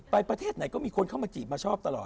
ประเทศไหนก็มีคนเข้ามาจีบมาชอบตลอด